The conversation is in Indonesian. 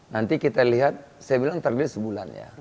nanti kita lihat saya bilang target sebulan ya